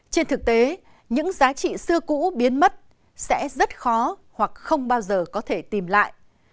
trên thực tế những giá trị xưa cũ biến mất sẽ rất khó hoặc không bao giờ có thể tìm lại